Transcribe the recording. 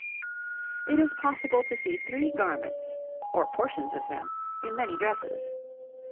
It is possible to see three garments, or portions of them, in many dresses.